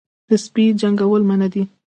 د سپي جنګول منع دي